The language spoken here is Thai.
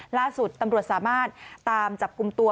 ล่าสุดตำรวจสามารถตามจับกลุ่มตัว